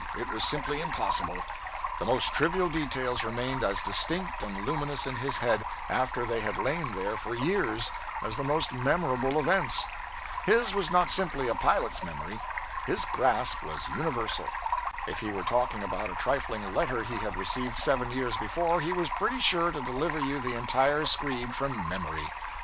It was simply impossible. The most trivial details remained as distinct and luminous in his head, after they had lain there for years, as the most memorable events. His was not simply a pilot's memory; its grasp was universal. If he were talking about a trifling letter he had received seven years before, he was pretty sure to deliver you the entire screed from memory.